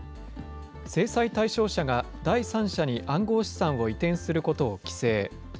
制裁対象者が第三者に暗号資産を移転することを規制。